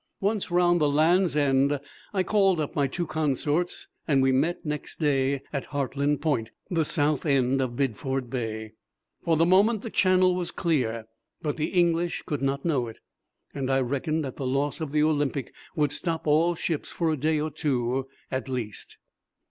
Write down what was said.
Once round the Land's End I called up my two consorts, and we met next day at Hartland Point, the south end of Bideford Bay. For the moment the Channel was clear, but the English could not know it, and I reckoned that the loss of the Olympic would stop all ships for a day or two at least.